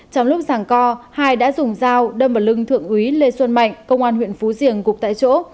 trong lúc giảng co hai đã dùng dao đâm vào lưng thượng úy lê xuân mạnh công an huyện phú riềng gục tại chỗ